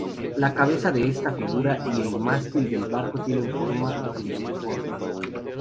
La cabeza de esta figura y el mástil del barco tienen forma cruciforme.